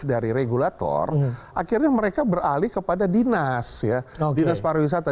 dari regulator akhirnya mereka beralih kepada dinas ya dinas pariwisata